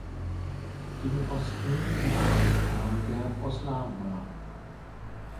Gegen Osten liegt das Tal der Oslava.